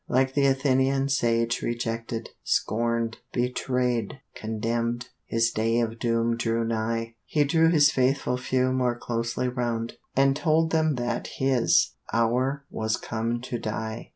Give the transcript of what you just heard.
Like the Athenian sage rejected, scorned, Betrayed, condemned, his day of doom drew nigh; He drew his faithful few more closely round, And told them that his hour was come to die.